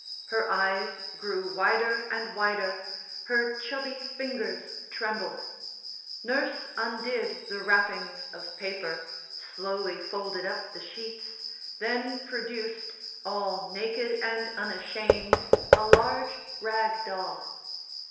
Her eyes grew wider and wider, her chubby fingers trembled. Nurse undid the wrappings of paper, slowly folded up the sheets, then produced, all naked and unashamed, a large rag doll.